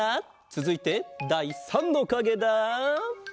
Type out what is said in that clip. つづいてだい３のかげだ！